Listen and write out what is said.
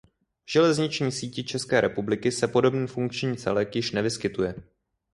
V železniční síti České republiky se podobný funkční celek již nevyskytuje.